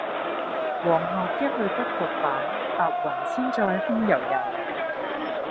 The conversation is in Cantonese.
黃鶴一去不復返，白云千載空悠悠。